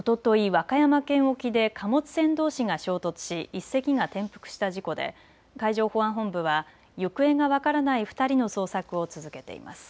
和歌山県沖で貨物船どうしが衝突し１隻が転覆した事故で海上保安本部は行方が分からない２人の捜索を続けています。